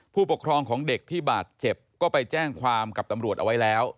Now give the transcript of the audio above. ผู้ปกครองของเด็กที่บาดเจ็บก็ไปแจ้งความกับตำรวจเอาไว้แล้ว